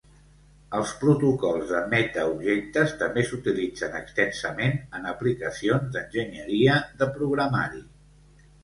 Els protocols de metaobjectes també s'utilitzen extensament en aplicacions d'enginyeria de programari.